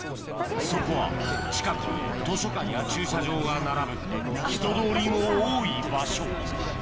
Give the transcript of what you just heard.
そこは近くに図書館や駐車場が並ぶ人通りも多い場所